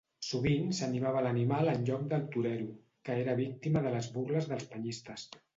Sovint s'animava l'animal en lloc del torero, que era víctima de les burles dels penyistes.